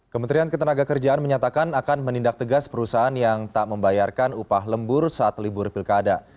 kementerian ketenaga kerjaan menyatakan akan menindak tegas perusahaan yang tak membayarkan upah lembur saat libur pilkada